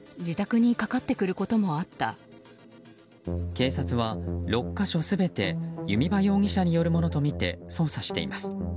警察は６か所全て弓場容疑者によるものとみて捜査しています。